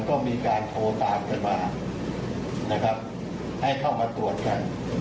ก็มีการโทรตามกันมานะครับให้เข้ามาตรวจกัน